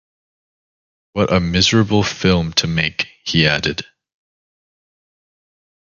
"What a miserable film to make," he added.